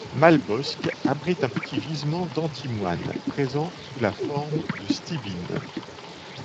Malbosc abrite un petit gisement d'antimoine, présent sous la forme de stibine.